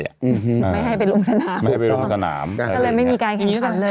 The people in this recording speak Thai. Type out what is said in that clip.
อืมไม่ให้ไปลงสนามไม่ให้ไปลงสนามก็เลยไม่มีการแข่งขันกันเลย